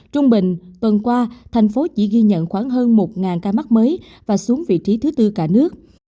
trung bình tuần qua thành phố chỉ ghi nhận khoảng hơn một ca mắc mới và xuống vị trí thứ tư cả nước